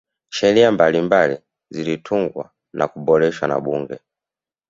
sheria mbalimbali zilitungwa na kuboreshwa na bunge